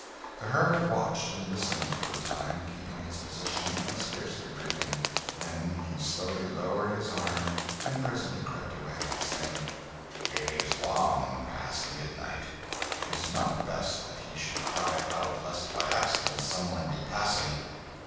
The hermit watched and listened, for a time, keeping his position and scarcely breathing; then he slowly lowered his arms, and presently crept away, saying, "It is long past midnight; it is not best that he should cry out, lest by accident someone be passing."